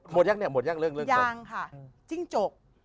หมดยังเนี่ยหมดยังเรื่องยังค่ะจิ้งจก